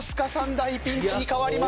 大ピンチに変わります。